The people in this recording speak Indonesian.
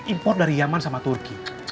import dari yaman sama turki